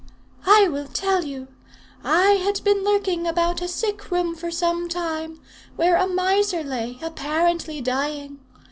"I will tell you. I had been lurking about a sick room for some time, where a miser lay, apparently dying.